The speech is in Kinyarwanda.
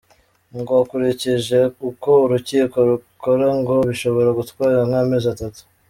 Ngo akurikije uko urukiko rukora ngo bishobora gutwara nk’amezi atatu.